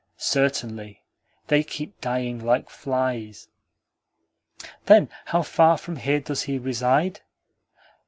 "Certainly. They keep dying like flies." "Then how far from here does he reside?"